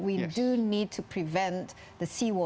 anda mengatakan bahwa